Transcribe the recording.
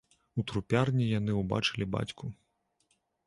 У трупярні яны ўбачылі бацьку.